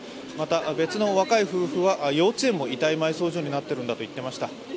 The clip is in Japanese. また、別の若い夫婦は幼稚園も遺体埋葬所になっているんだと言っていました。